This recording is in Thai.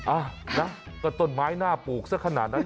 อ้าวนะแต่ต้นไม้น่าปลูกสักขนาดนั้น